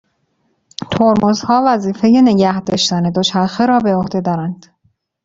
ترمزها وظیفه نگه داشتن دوچرخه را بر عهده دارند.